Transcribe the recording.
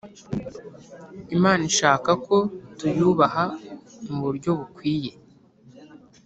Imana ishaka ko tuyubaha Mu buryo bukwiye